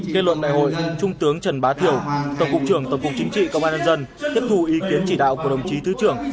kết luận đại hội trung tướng trần bá thiểu tổng cục trưởng tổng cục chính trị công an nhân dân tiếp thù ý kiến chỉ đạo của đồng chí thứ trưởng